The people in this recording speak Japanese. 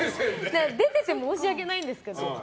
出てて申し訳ないんですけど。